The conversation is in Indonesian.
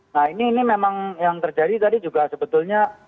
nah ini memang yang terjadi tadi juga sebetulnya